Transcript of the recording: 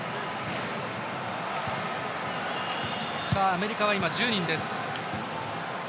アメリカは今１０人です。